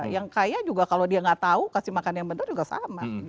yang kaya juga kalau dia nggak tahu kasih makan yang benar juga sama